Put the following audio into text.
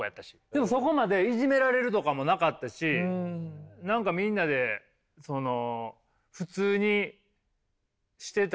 でもそこまでいじめられるとかもなかったし何かみんなでその普通にしてた。